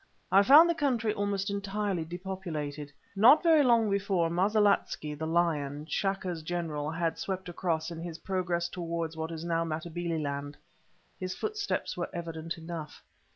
I found the country almost entirely depopulated. Not very long before Mosilikatze the Lion, Chaka's General had swept across it in his progress towards what is now Matabeleland. His footsteps were evident enough.